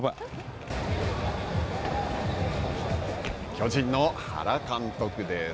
巨人の原監督です。